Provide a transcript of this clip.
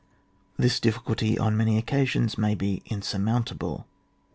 This difficulty on many occasions may be insurmount able.